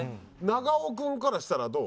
長尾君からしたらどう？